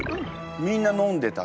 みんな飲んでた。